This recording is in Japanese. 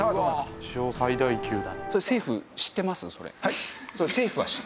史上最大級だ。